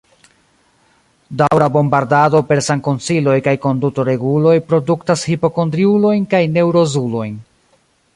Daŭra bombardado per sankonsiloj kaj kondutoreguloj produktas hipokondriulojn kaj neŭrozulojn.